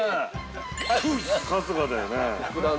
◆春日だよね。